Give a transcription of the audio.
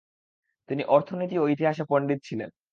তিনি অর্থনীতি ও ইতিহাসে পণ্ডিত ছিলেন।